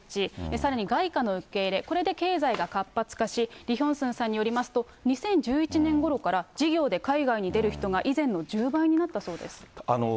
さらに外貨の受け入れ、これで経済が活発化し、リ・ヒョンスンさんによりますと、２０１１年ごろから、事業で海外に出る人が以前の１０倍になったそうです。